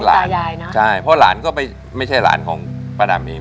ใช่เพราะว่าหลานก็ไปไม่ใช่หลานของประดำเอง